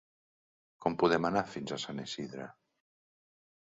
Com podem anar fins a Sant Isidre?